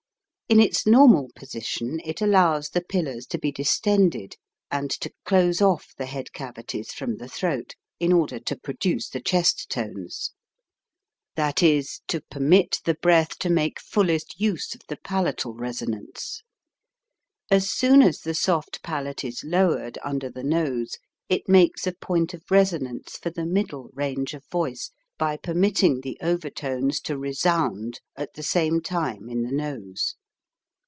In its normal position it allows the pillars to be distended and to close off the head cavities from the throat, in order to produce the chest tones ; that is, to permit the breath to make fullest use of the palatal res onance. As soon as the soft palate is lowered under the nose it makes a point of resonance for the" middle range of voice, by permitting the 115 116 HOW TO SING overtones to resound at the same time in the nose. (See plate, middle range.)